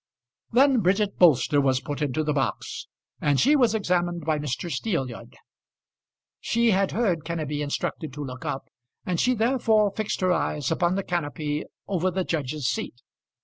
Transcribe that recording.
Then Bridget Bolster was put into the box, and she was examined by Mr. Steelyard. She had heard Kenneby instructed to look up, and she therefore fixed her eyes upon the canopy over the judge's seat.